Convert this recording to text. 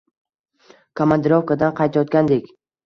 Komandirovkadan qaytayotgandik.